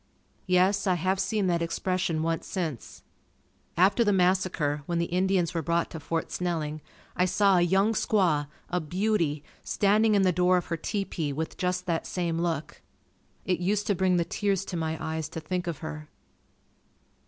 Yes, I have seen that expression once since. After the massacre when the Indians were brought to Fort Snelling I saw a young squaw, a beauty, standing in the door of her tepee with just that same look. It used to bring the tears to my eyes to think of her.